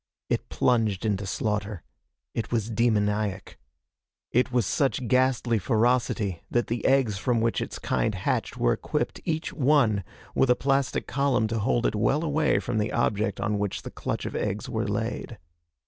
It plunged into slaughter. It was demoniac. It was such ghastly ferocity that the eggs from which its kind hatched were equipped, each one, with a plastic column to hold it well away from the object on which the clutch of eggs were laid.